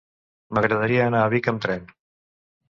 M'agradaria anar a Vic amb tren.